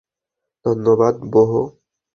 ধন্যবাদ, বোহ।